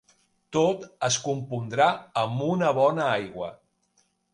Tot es compondrà amb una bona aigua.